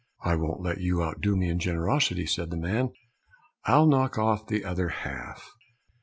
"I won't let you outdo me in generosity," said the man; "I'll knock off the other half."